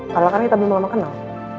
karena kan kita belum lama kenal